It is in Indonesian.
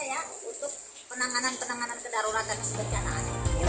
untuk penanganan penanganan kedarurat dan seberjanaan